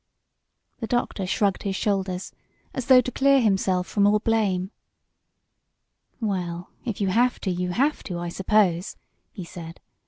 The doctor shrugged his shoulders as though to clear himself from all blame. "Well, if you have to you have to, I suppose," he said.